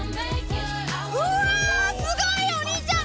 うわすごいよお兄ちゃん！